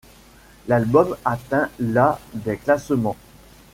L'album atteint la des classements.